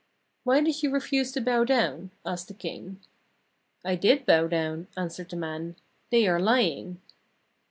'Why did you refuse to bow down?' asked the king. 'I did bow down,' answered the man; 'they are lying.'